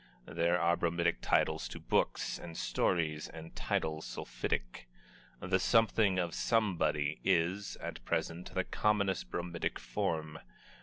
There are bromidic titles to books and stories, and titles sulphitic. "The Something of Somebody" is, at present, the commonest bromidic form.